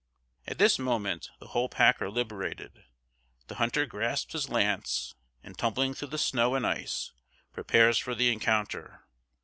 At this moment the whole pack are liberated; the hunter grasps his lance, and, tumbling through the snow and ice, prepares for the encounter.